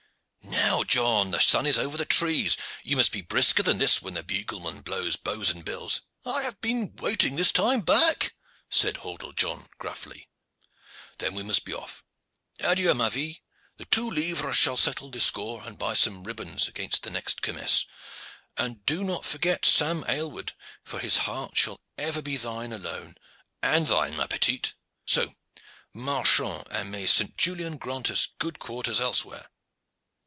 Now, John, the sun is over the trees; you must be brisker than this when the bugleman blows 'Bows and Bills.'" "I have been waiting this time back," said Hordle John gruffly. "Then we must be off. Adieu, ma vie! The two livres shall settle the score and buy some ribbons against the next kermesse. Do not forget Sam Aylward, for his heart shall ever be thine alone and thine, ma petite! So, marchons, and may St. Julian grant us as good quarters elsewhere!"